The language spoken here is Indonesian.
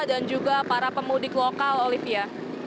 dan juga para pemudik lokal olivia